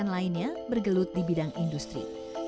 empat puluh lainnya bergelut di bidang industri